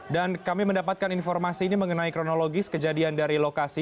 dan kami mendapatkan informasi ini mengenai kronologis kejadian dari lokasi